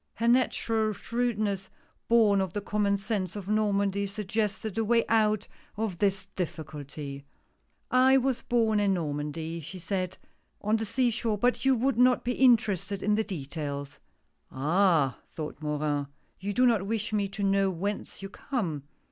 Her natural shrewdness, born of the common sense of Normandy, suggested a way out of this difficulty. " I was born in Normandy," she said, " on the sea shore, but you would not be interested in the details." "Ah I" thought Morin, "you do not wish me to know whence you come.